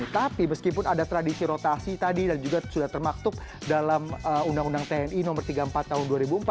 tapi meskipun ada tradisi rotasi tadi dan juga sudah termaktub dalam undang undang tni nomor tiga puluh empat tahun dua ribu empat